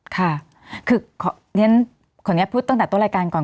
ค่ะคือขออนุญาตพูดตั้งแต่ต้นรายการก่อน